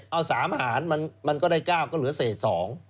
เอา๓หารมันก็ได้๙ก็เหลือเศษ๒